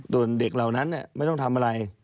ส่วนเด็กเหล่านั้นไม่ต้องทำอะไร